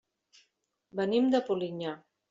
Venim de Polinyà.